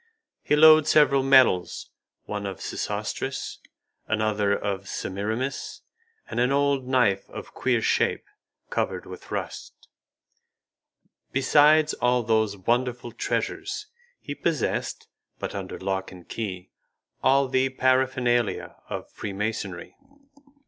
He load several medals, one of Sesostris, another of Semiramis, and an old knife of a queer shape, covered with rust. Besides all those wonderful treasures, he possessed, but under lock and key, all the paraphernalia of freemasonry.